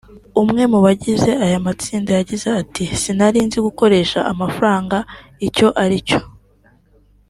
umwe mubagize aya matsinda yagize ati “Sinarinzi gukoresha amafaranga icyo ari cyo